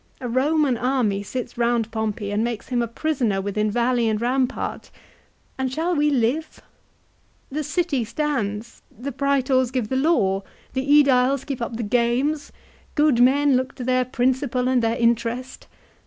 "A Roman army sits round Pompey and makes him a prisoner within valley and rampart ; and shall we live ? The city stands ; the Praetors give the law, the ^Ediles keep up the games, good men look to their principal and their interest.